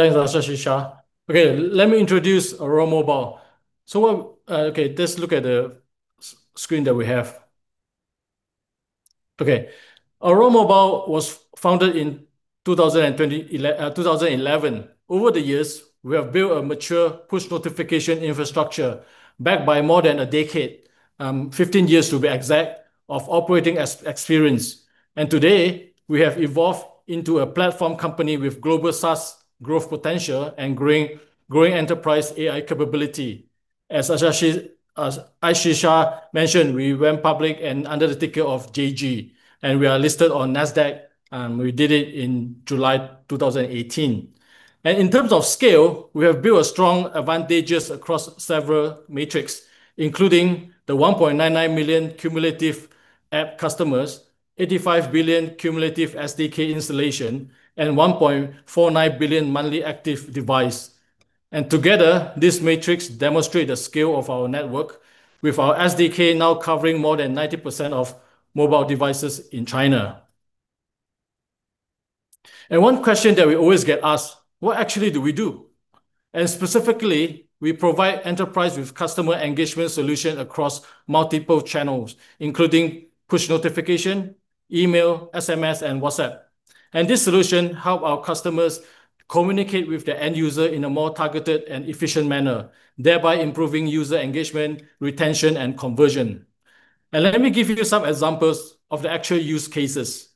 Thanks, Aashi Shah. Let me introduce Aurora Mobile. Let's look at the screen that we have. Aurora Mobile was founded in 2011. Over the years, we have built a mature push notification infrastructure backed by more than a decade, 15 years to be exact, of operating experience. Today, we have evolved into a platform company with global SaaS growth potential and growing enterprise AI capability. As Aashi Shah mentioned, we went public under the ticker of JG, and we are listed on Nasdaq. We did it in July 2018. In terms of scale, we have built strong advantages across several metrics, including the 1.99 million cumulative app customers, 85 billion cumulative SDK installation, and 1.49 billion monthly active device. Together, this matrix demonstrate the scale of our network with our SDK now covering more than 90% of mobile devices in China. One question that we always get asked, "What actually do we do?" Specifically, we provide enterprise with customer engagement solution across multiple channels, including push notification, email, SMS and WhatsApp. This solution help our customers communicate with their end user in a more targeted and efficient manner, thereby improving user engagement, retention, and conversion. Let me give you some examples of the actual use cases.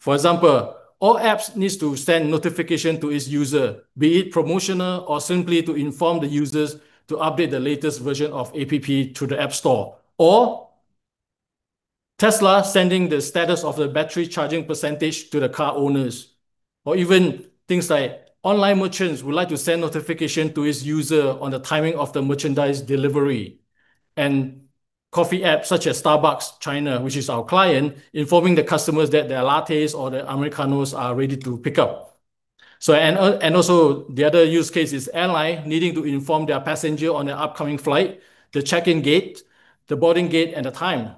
For example, all apps needs to send notification to its user, be it promotional or simply to inform the users to update the latest version of app to the App Store, or Tesla sending the status of the battery charging % to the car owners. Even things like online merchants would like to send notification to its user on the timing of the merchandise delivery, coffee apps such as Starbucks China, which is our client, informing the customers that their lattes or their Americanos are ready to pick up. Also the other use case is airline needing to inform their passenger on their upcoming flight, the check-in gate, the boarding gate, and the time.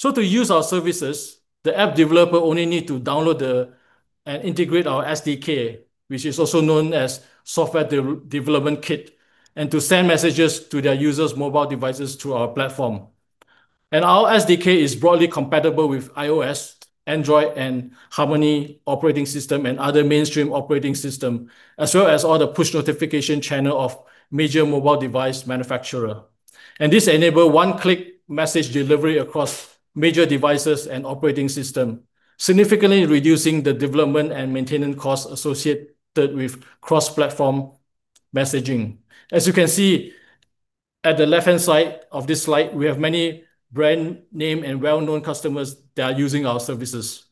To use our services, the app developer only need to download and integrate our SDK, which is also known as Software Development Kit, to send messages to their users' mobile devices through our platform. Our SDK is broadly compatible with iOS, Android, and HarmonyOS and other mainstream operating system, as well as all the push notification channel of major mobile device manufacturer. This enable one-click message delivery across major devices and operating system, significantly reducing the development and maintenance costs associated with cross-platform messaging. As you can see at the left-hand side of this slide, we have many brand name and well-known customers that are using our services.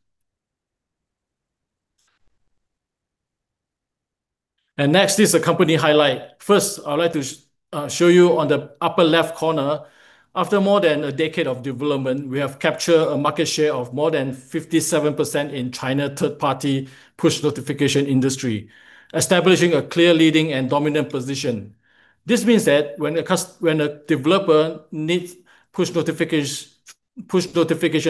Next is the company highlight. First, I would like to show you on the upper left corner. After more than a decade of development, we have captured a market share of more than 57% in China third-party push notification industry, establishing a clear leading and dominant position. This means that when a developer needs push notification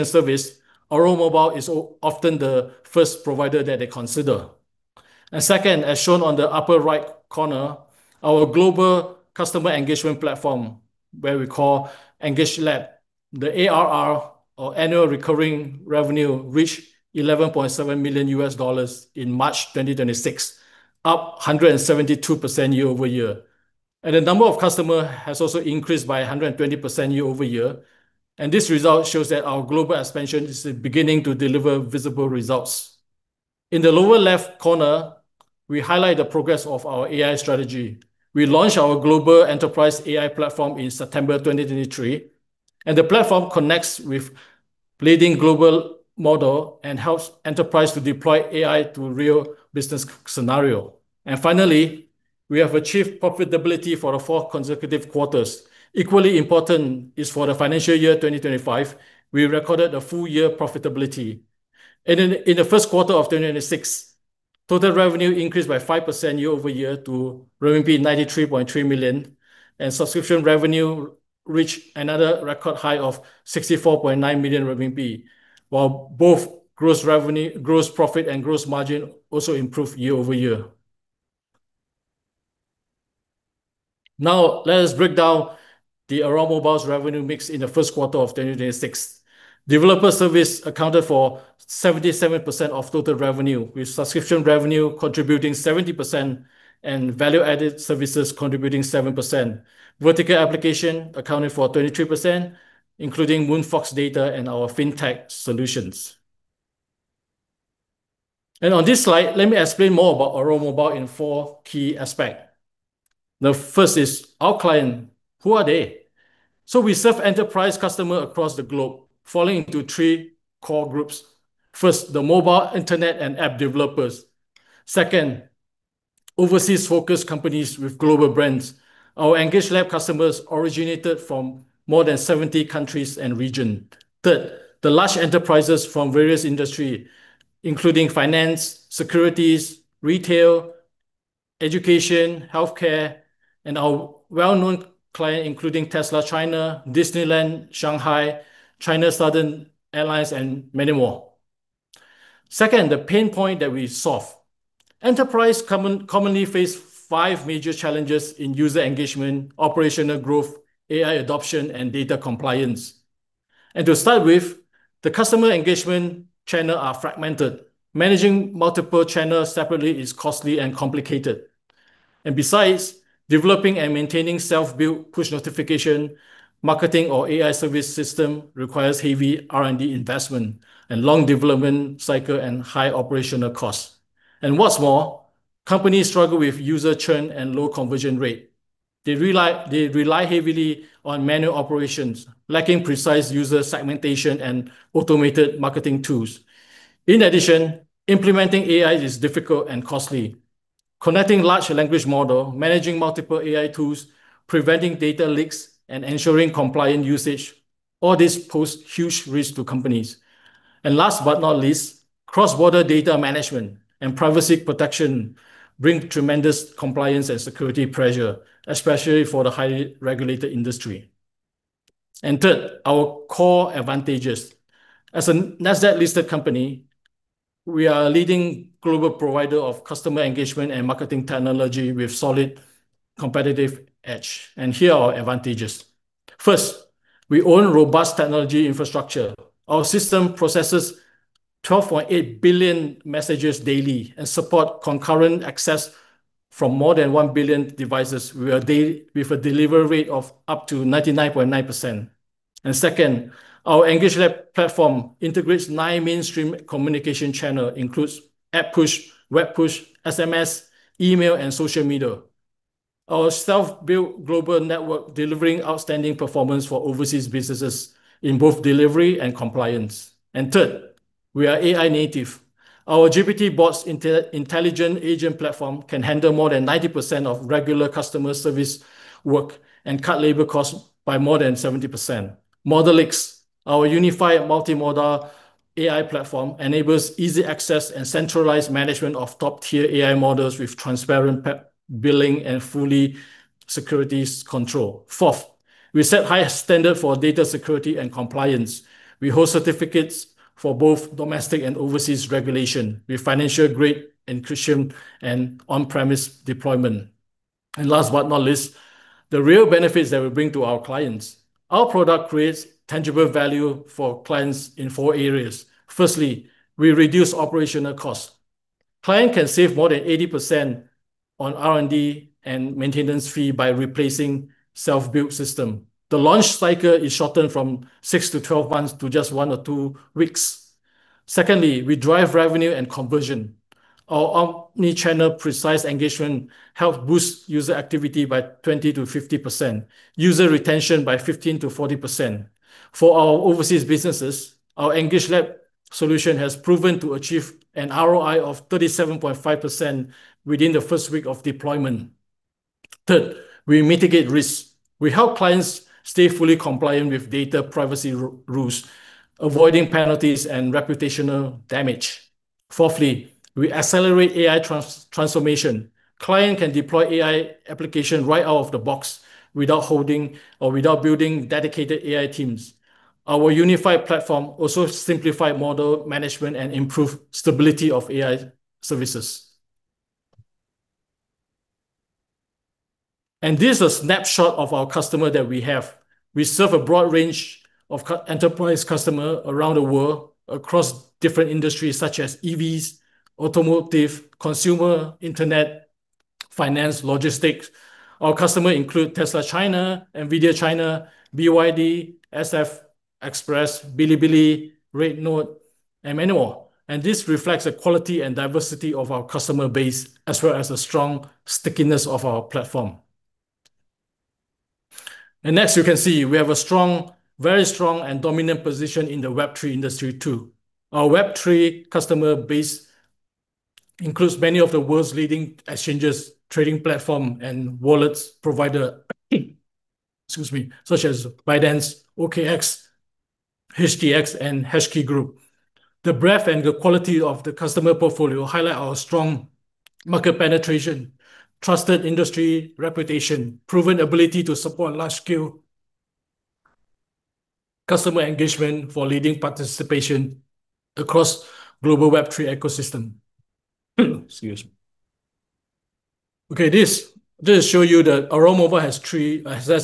service, Aurora Mobile is often the first provider that they consider. Second, as shown on the upper right corner, our global customer engagement platform, which we call EngageLab, the ARR or annual recurring revenue, reached $11.7 million in March 2026, up 172% year-over-year. The number of customer has also increased by 120% year-over-year. This result shows that our global expansion is beginning to deliver visible results. In the lower left corner, we highlight the progress of our AI strategy. We launched our global enterprise AI platform in September 2023. The platform connects with leading global model and helps enterprise to deploy AI to real business scenario. Finally, we have achieved profitability for the four consecutive quarters. Equally important is for the financial year 2025, we recorded a full year profitability. In the first quarter of 2026, total revenue increased by 5% year-over-year to RMB 93.3 million. Subscription revenue reached another record high of 64.9 million RMB, while both gross profit and gross margin also improved year-over-year. Let us break down the Aurora Mobile's revenue mix in the first quarter of 2026. Developer service accounted for 77% of total revenue, with subscription revenue contributing 70% and value-added services contributing 7%. Vertical application accounted for 23%, including MoonFox data and our fintech solutions. On this slide, let me explain more about Aurora Mobile in four key aspect. The first is our client, who are they? We serve enterprise customer across the globe, falling into three core groups. First, the mobile internet and app developers. Second, overseas-focused companies with global brands. Our EngageLab customers originated from more than 70 countries and region. Third, the large enterprises from various industry, including finance, securities, retail, education, healthcare, and our well-known client, including Tesla China, Shanghai Disneyland, China Southern Airlines, and many more. Second, the pain point that we solve. Enterprise commonly face five major challenges in user engagement, operational growth, AI adoption, and data compliance. To start with, the customer engagement channel are fragmented. Managing multiple channels separately is costly and complicated. Besides, developing and maintaining self-built push notification, marketing or AI service system requires heavy R&D investment and long development cycle and high operational cost. What's more, companies struggle with user churn and low conversion rate. They rely heavily on manual operations, lacking precise user segmentation and automated marketing tools. In addition, implementing AI is difficult and costly. Connecting large language model, managing multiple AI tools, preventing data leaks, and ensuring compliant usage, all this pose huge risk to companies. Last but not least, cross-border data management and privacy protection bring tremendous compliance and security pressure, especially for the highly regulated industry. Third, our core advantages. As a Nasdaq-listed company, we are a leading global provider of customer engagement and marketing technology with solid competitive edge. Here are our advantages. First, we own robust technology infrastructure. Our system processes 12.8 billion messages daily and support concurrent access from more than 1 billion devices with a delivery rate of up to 99.9%. Second, our EngageLab platform integrates nine mainstream communication channel, includes app push, web push, SMS, email, and social media. Our self-built global network delivering outstanding performance for overseas businesses in both delivery and compliance. Third, we are AI native. Our GPTBots intelligent agent platform can handle more than 90% of regular customer service work and cut labor costs by more than 70%. ModelX, our unified multimodal AI platform, enables easy access and centralized management of top-tier AI models with transparent billing and fully securities control. Fourth, we set high standard for data security and compliance. We hold certificates for both domestic and overseas regulation with financial-grade encryption and on-premise deployment. Last but not least, the real benefits that we bring to our clients. Our product creates tangible value for clients in four areas. Firstly, we reduce operational cost. Client can save more than 80% on R&D and maintenance fee by replacing self-built system. The launch cycle is shortened from 6-12 months to just one to two weeks. Secondly, we drive revenue and conversion. Our omni-channel precise engagement help boost user activity by 20%-50%, user retention by 15%-40%. For our overseas businesses, our EngageLab solution has proven to achieve an ROI of 37.5% within the first week of deployment. Third, we mitigate risk. We help clients stay fully compliant with data privacy rules, avoiding penalties and reputational damage. Fourthly, we accelerate AI transformation. Client can deploy AI application right out of the box without building dedicated AI teams. Our unified platform also simplify model management and improve stability of AI services. This is a snapshot of our customer that we have. We serve a broad range of enterprise customer around the world across different industries such as EVs, automotive, consumer, internet, finance, logistics. Our customer include Tesla China, Nvidia China, BYD, SF Express, Bilibili, RedNote, and many more. This reflects the quality and diversity of our customer base as well as the strong stickiness of our platform. Next, you can see we have a very strong and dominant position in the Web3 industry, too. Our Web3 customer base includes many of the world's leading exchanges, trading platform, and wallets provider, excuse me, such as Binance, OKX, HTX, and HashKey Group. The breadth and the quality of the customer portfolio highlight our strong market penetration, trusted industry reputation, proven ability to support large scale customer engagement for leading participation across global Web3 ecosystem. Excuse me. This show you that Aurora Mobile has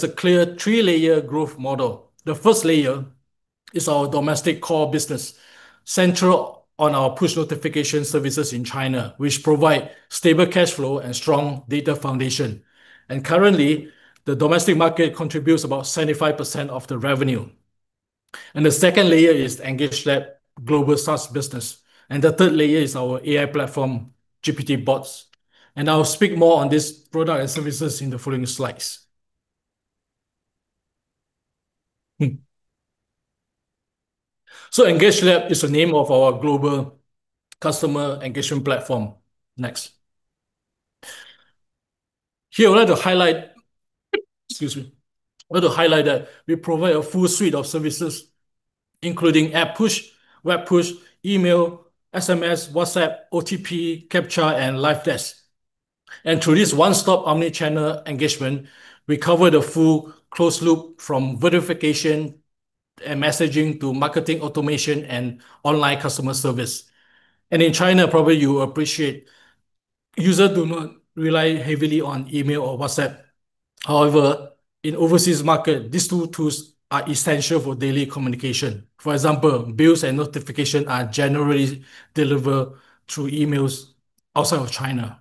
a clear three-layer growth model. The first layer is our domestic core business, central on our push notification services in China, which provide stable cash flow and strong data foundation. Currently, the domestic market contributes about 75% of the revenue. The second layer is EngageLab global SaaS business. The third layer is our AI platform, GPTBots, and I will speak more on this product and services in the following slides. EngageLab is the name of our global customer engagement platform. Next. I want to highlight that we provide a full suite of services, including app push, web push, email, SMS, WhatsApp, OTP, CAPTCHA, and live chat. Through this one-stop omni-channel engagement, we cover the full closed loop from verification and messaging to marketing automation and online customer service. In China, probably you appreciate users do not rely heavily on email or WhatsApp. However, in overseas market, these two tools are essential for daily communication. For example, bills and notification are generally delivered through emails outside of China.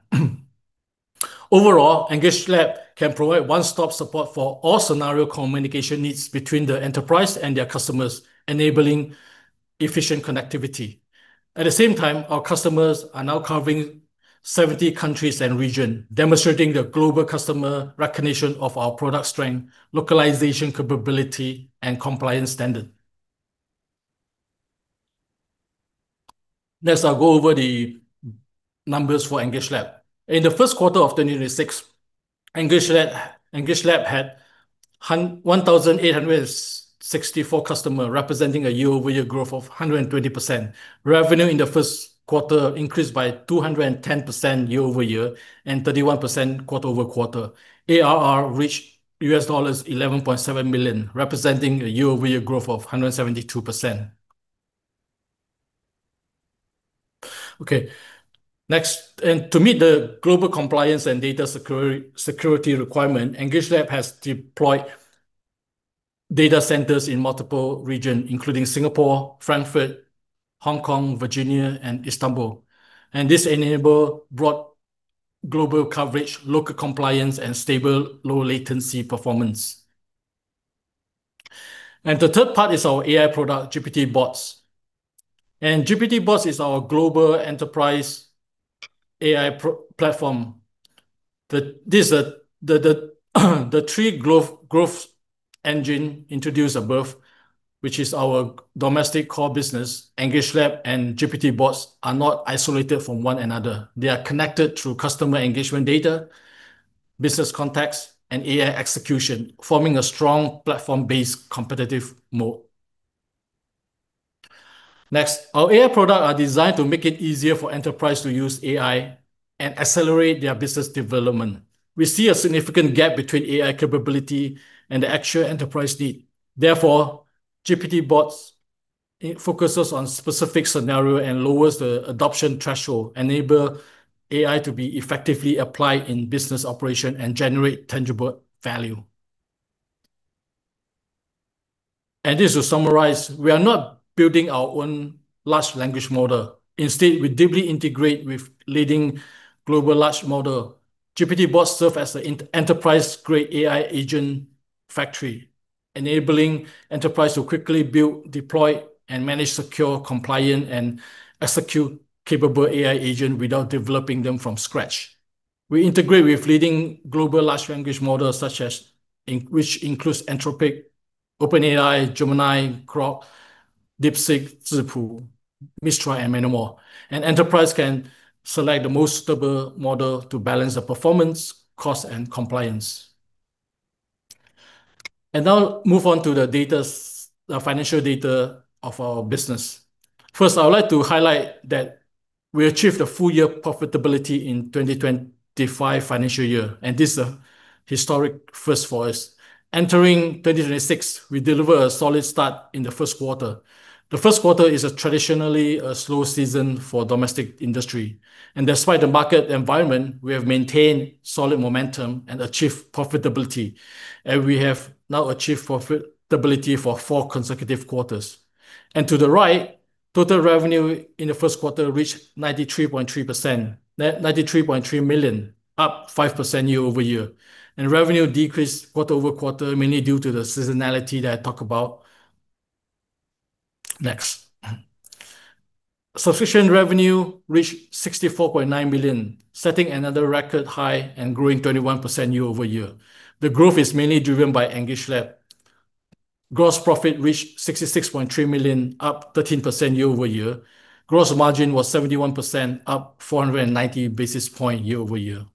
Overall, EngageLab can provide one-stop support for all-scenario communication needs between the enterprise and their customers, enabling efficient connectivity. At the same time, our customers are now covering 70 countries and regions, demonstrating the global customer recognition of our product strength, localization capability, and compliance standard. Next, I'll go over the numbers for EngageLab. In the first quarter of 2026, EngageLab had 1,864 customers, representing a year-over-year growth of 120%. Revenue in the first quarter increased by 210% year-over-year and 31% quarter-over-quarter. ARR reached $11.7 million, representing a year-over-year growth of 172%. Next, to meet the global compliance and data security requirements, EngageLab has deployed data centers in multiple regions, including Singapore, Frankfurt, Hong Kong, Virginia, and Istanbul. This enables broad global coverage, local compliance, and stable low latency performance. The third part is our AI product, GPTBots. GPTBots is our global enterprise AI platform. The three growth engines introduced above, which is our domestic core business, EngageLab, and GPTBots are not isolated from one another. They are connected through customer engagement data, business context, and AI execution, forming a strong platform-based competitive moat. Next, our AI products are designed to make it easier for enterprises to use AI and accelerate their business development. We see a significant gap between AI capability and the actual enterprise needs. Therefore, GPTBots focuses on specific scenarios and lowers the adoption threshold, enabling AI to be effectively applied in business operations and generate tangible value. To summarize, we are not building our own large language model. Instead, we deeply integrate with leading global large models. GPTBots serves as an enterprise-grade AI agent factory, enabling enterprises to quickly build, deploy, and manage secure, compliant, and execute-capable AI agents without developing them from scratch. We integrate with leading global large language models, which include Anthropic, OpenAI, Gemini, Groq, DeepSeek, Zhipu, Mistral, and many more. Enterprises can select the most suitable model to balance the performance, cost, and compliance. Now, I will move on to the financial data of our business. First, I would like to highlight that we achieved full-year profitability in FY 2025, and this is a historic first for us. Entering 2026, we delivered a solid start in the first quarter. The first quarter is traditionally a slow season for domestic industry. Despite the market environment, we have maintained solid momentum and achieved profitability, and we have now achieved profitability for four consecutive quarters. To the right, total revenue in the first quarter reached 93.3 million, up 5% year-over-year. Revenue decreased quarter-over-quarter, mainly due to the seasonality that I talked about. Next, subscription revenue reached 64.9 million, setting another record high and growing 21% year-over-year. The growth is mainly driven by EngageLab. Gross profit reached 66.3 million, up 13% year-over-year. Gross margin was 71%, up 490 basis points year-over-year.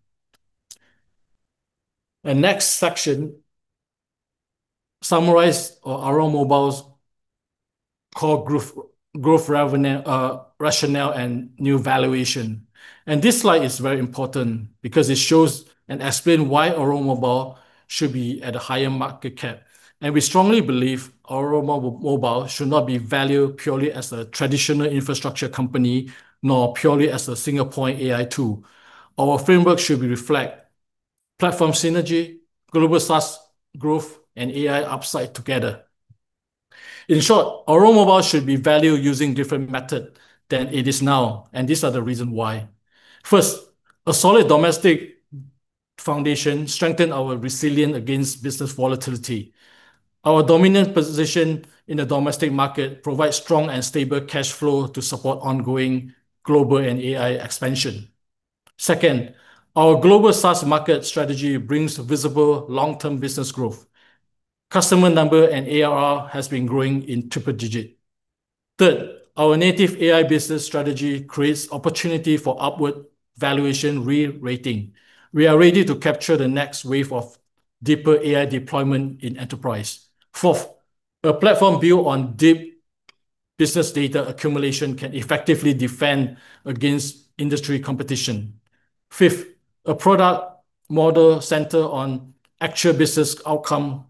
The next section summarizes Aurora Mobile core growth revenue, rationale, and new valuation. This slide is very important because it shows and explains why Aurora Mobile should be at a higher market cap. We strongly believe Aurora Mobile should not be valued purely as a traditional infrastructure company, nor purely as a single-point AI tool. Our framework should reflect platform synergy, global SaaS growth, and AI upside together. In short, Aurora Mobile should be valued using different method than it is now, these are the reason why. First, a solid domestic foundation strengthen our resilience against business volatility. Our dominant position in the domestic market provides strong and stable cash flow to support ongoing global and AI expansion. Second, our global SaaS market strategy brings visible long-term business growth. Customer number and ARR has been growing in triple digit Third, our native AI business strategy creates opportunity for upward valuation re-rating. We are ready to capture the next wave of deeper AI deployment in enterprise. Fourth, a platform built on deep business data accumulation can effectively defend against industry competition. Fifth, a product model center on actual business outcome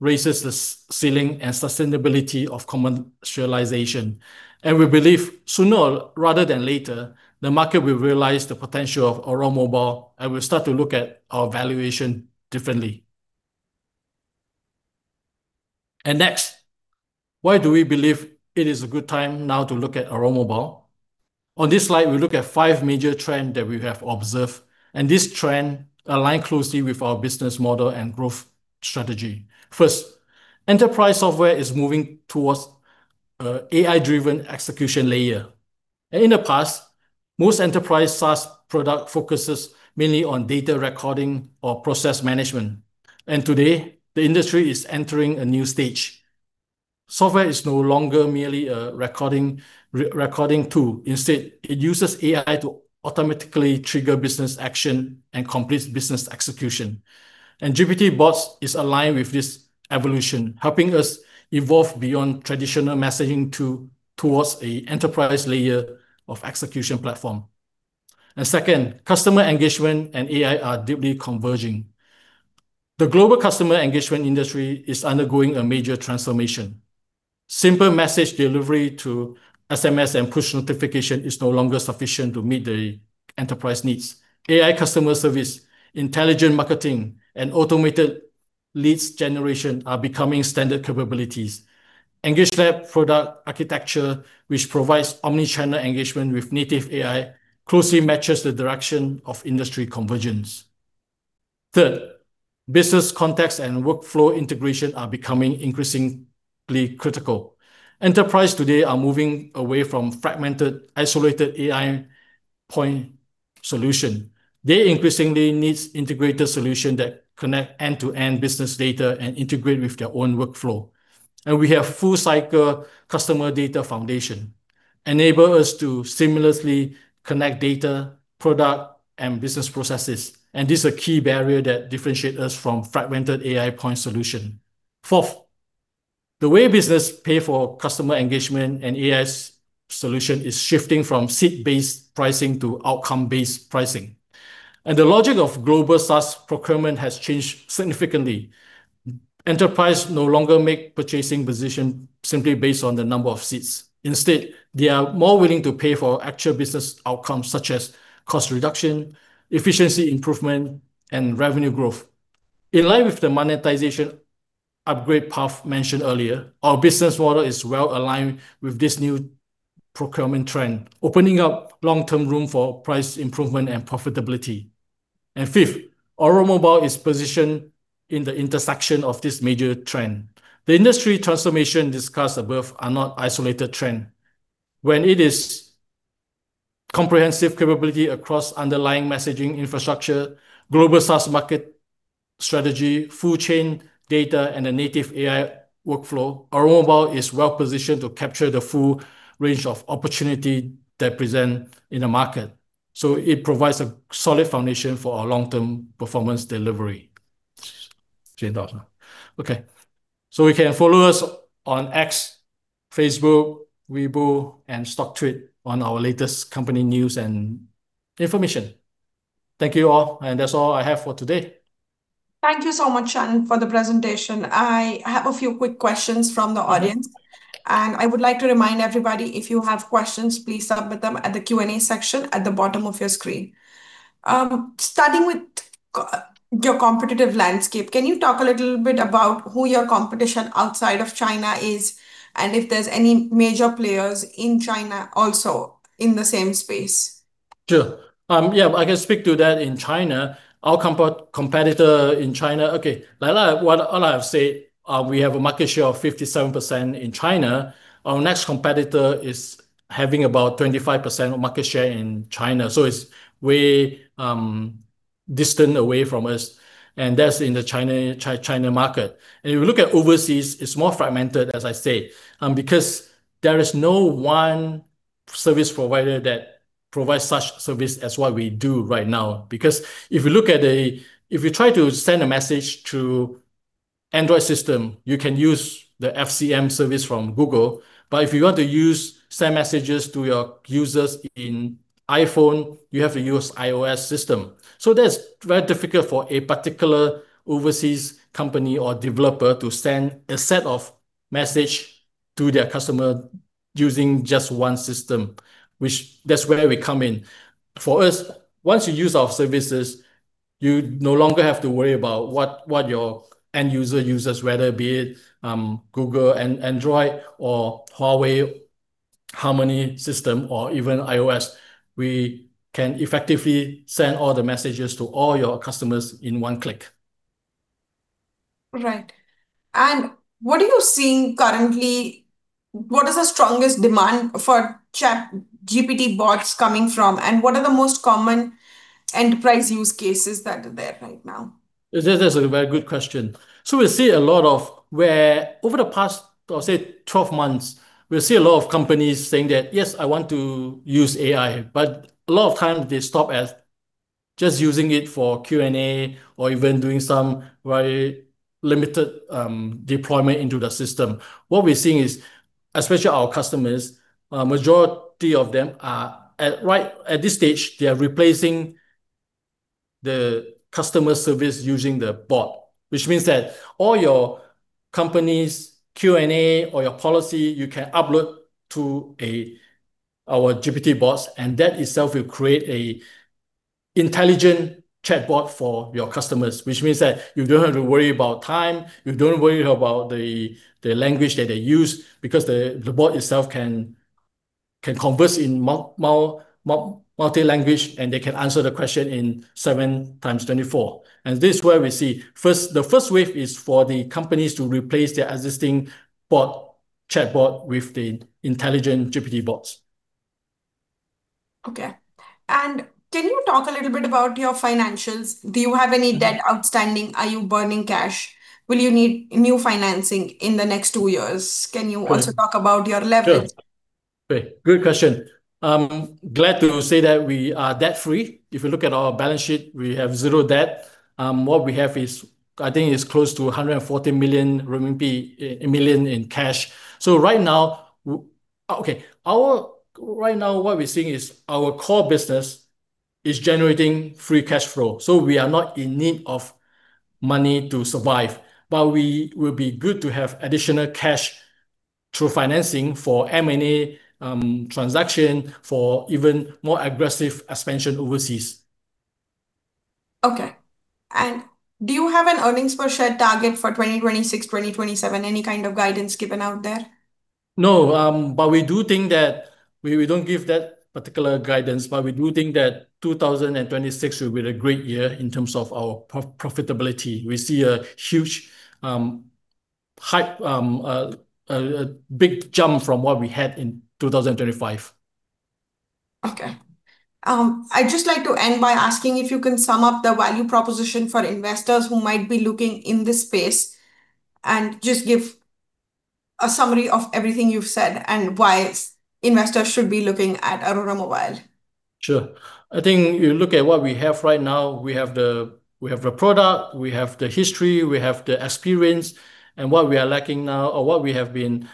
raises the ceiling and sustainability of commercialization. We believe sooner rather than later, the market will realize the potential of Aurora Mobile and will start to look at our valuation differently. Next, why do we believe it is a good time now to look at Aurora Mobile? On this slide, we look at five major trends that we have observed, these trends align closely with our business model and growth strategy. First, enterprise software is moving towards AI-driven execution layer. In the past, most enterprise SaaS product focuses mainly on data recording or process management. Today, the industry is entering a new stage. Software is no longer merely a recording tool. Instead, it uses AI to automatically trigger business action and complete business execution. GPTBots is aligned with this evolution, helping us evolve beyond traditional messaging tool towards a enterprise layer of execution platform. Second, customer engagement and AI are deeply converging. The global customer engagement industry is undergoing a major transformation. Simple message delivery to SMS and push notification is no longer sufficient to meet the enterprise needs. AI customer service, intelligent marketing, and automated leads generation are becoming standard capabilities. EngageLab product architecture, which provides omni-channel engagement with native AI, closely matches the direction of industry convergence. Third, business context and workflow integration are becoming increasingly critical. Enterprise today are moving away from fragmented, isolated AI point solution. They increasingly need integrated solution that connect end-to-end business data and integrate with their own workflow. We have full cycle customer data foundation enable us to seamlessly connect data, product, and business processes, this is a key barrier that differentiate us from fragmented AI point solution. Fourth, the way business pay for customer engagement and AI solution is shifting from seat-based pricing to outcome-based pricing. The logic of global SaaS procurement has changed significantly. Enterprise no longer make purchasing decisions simply based on the number of seats. Instead, they are more willing to pay for actual business outcomes such as cost reduction, efficiency improvement, and revenue growth. In line with the monetization upgrade path mentioned earlier, our business model is well aligned with this new procurement trend, opening up long-term room for price improvement and profitability. Fifth, Aurora Mobile is positioned in the intersection of this major trend. The industry transformation discussed above are not isolated trend. With its comprehensive capability across underlying messaging infrastructure, global SaaS market strategy, full chain data, and a native AI workflow, Aurora Mobile is well positioned to capture the full range of opportunity that present in the market. It provides a solid foundation for our long-term performance delivery. Okay. You can follow us on X, Facebook, Weibo, and StockTwits on our latest company news and information. Thank you all, and that's all I have for today. Thank you so much, Chen, for the presentation. I have a few quick questions from the audience, and I would like to remind everybody, if you have questions, please submit them at the Q&A section at the bottom of your screen. Starting with your competitive landscape, can you talk a little bit about who your competition outside of China is, and if there's any major players in China also in the same space? Sure. Yeah, I can speak to that in China. Our competitor in China, okay, like all I have said, we have a market share of 57% in China. Our next competitor is having about 25% of market share in China, it's way distant away from us, and that's in the China market. If you look at overseas, it's more fragmented, as I say, because there is no one service provider that provides such service as what we do right now. If you try to send a message to Android system, you can use the FCM service from Google. If you want to send messages to your users in iPhone, you have to use iOS system. That's very difficult for a particular overseas company or developer to send a set of message to their customer using just one system, which that's where we come in. For us, once you use our services, you no longer have to worry about what your end user uses, whether be it Google Android or Huawei HarmonyOS system or even iOS. We can effectively send all the messages to all your customers in one click. Right. What are you seeing currently, what is the strongest demand for GPTBots coming from, and what are the most common enterprise use cases that are there right now? That's a very good question. We see a lot of where, over the past, I would say 12 months, we see a lot of companies saying that, "Yes, I want to use AI." A lot of time they stop at just using it for Q&A or even doing some very limited deployment into the system. What we're seeing is, especially our customers, a majority of them are, right at this stage, they are replacing the customer service using the bot, which means that all your company's Q&A or your policy, you can upload to our GPTBots, and that itself will create an intelligent chatbot for your customers, which means that you don't have to worry about time. You don't worry about the language that they use because the bot itself can converse in multi-language, and they can answer the question in 7 times 24. This is where we see the first wave is for the companies to replace their existing chatbot with the intelligent GPTBots. Okay. Can you talk a little bit about your financials? Do you have any debt outstanding? Are you burning cash? Will you need new financing in the next two years? Can you also talk about your level? Sure. Great. Good question. I'm glad to say that we are debt-free. If you look at our balance sheet, we have zero debt. What we have is, I think it's close to 140 million RMB in cash. Right now, what we're seeing is our core business is generating free cash flow. We are not in need of money to survive. We will be good to have additional cash through financing for M&A transaction, for even more aggressive expansion overseas. Okay. Do you have an earnings per share target for 2026, 2027? Any kind of guidance given out there? No, we do think that we don't give that particular guidance. We do think that 2026 will be a great year in terms of our profitability. We see a huge hype, a big jump from what we had in 2025. Okay. I'd just like to end by asking if you can sum up the value proposition for investors who might be looking in this space, and just give a summary of everything you've said and why investors should be looking at Aurora Mobile. Sure. I think you look at what we have right now, we have the product, we have the history, we have the experience, and what we are lacking now or what we have been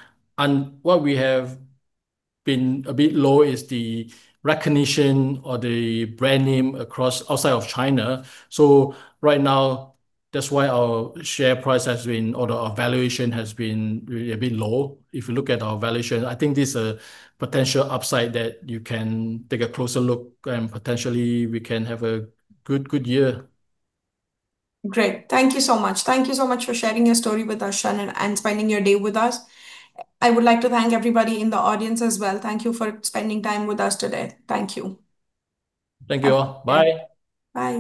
a bit low is the recognition or the brand name across outside of China. Right now, that's why our share price or our valuation has been a bit low. If you look at our valuation, I think there's a potential upside that you can take a closer look, and potentially we can have a good year. Great. Thank you so much. Thank you so much for sharing your story with us, Chen, and spending your day with us. I would like to thank everybody in the audience as well. Thank you for spending time with us today. Thank you. Thank you all. Bye. Bye.